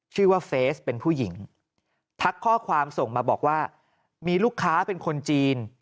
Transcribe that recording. เฟสเป็นผู้หญิงทักข้อความส่งมาบอกว่ามีลูกค้าเป็นคนจีน